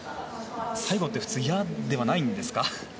最後って普通、嫌じゃないですか？